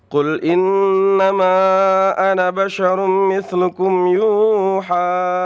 kul innama ana basharun mislikum yuha